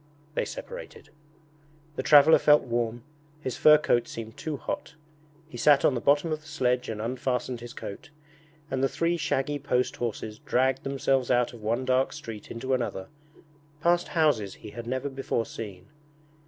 They separated. The traveller felt warm, his fur coat seemed too hot. He sat on the bottom of the sledge and unfastened his coat, and the three shaggy post horses dragged themselves out of one dark street into another, past houses he had never before seen.